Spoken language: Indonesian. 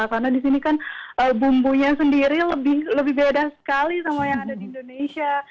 karena di sini kan bumbunya sendiri lebih beda sekali sama yang ada di indonesia